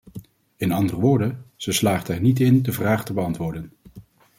In andere woorden: ze slaagden er niet in de vraag te beantwoorden.